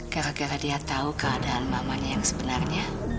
gara gara dia tahu keadaan mamanya yang sebenarnya